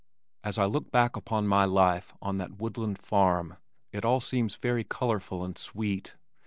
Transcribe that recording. As I look back upon my life on that woodland farm, it all seems very colorful and sweet.